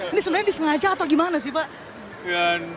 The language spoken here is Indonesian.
ini sebenarnya disengaja atau gimana sih pak